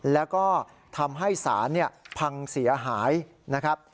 แล้วก็ทำให้สารพังเสียหายนะครับ